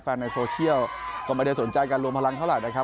ในโซเชียลก็ไม่ได้สนใจการรวมพลังเท่าไหร่นะครับ